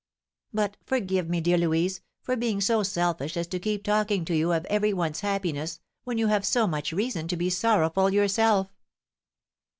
"But forgive me, dear Louise, for being so selfish as to keep talking to you of every one's happiness when you have so much reason to be sorrowful yourself."